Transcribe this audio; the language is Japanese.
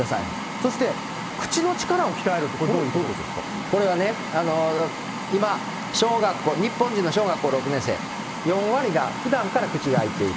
そして口の力を鍛えるって、これ、これはね、今、小学校、日本人の小学校６年生、４割がふだんから口が開いている。